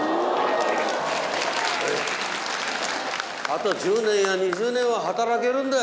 あと１０年や２０年は働けるんだ。